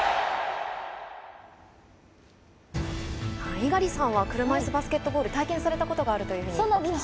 猪狩さんは車いすバスケットボール体験されたことがあるというふうにお聞きしました。